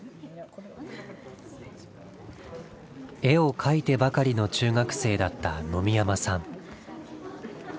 絵を描いてばかりの中学生だった野見山さん